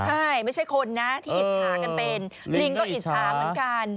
ใช่ไม่ใช่คนนะที่อิจฉากันเป็นลิงก็อิจฉาเหมือนกัน